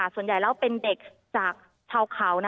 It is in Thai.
ส่วนใหญ่แล้วเป็นเด็กจากชาวเขา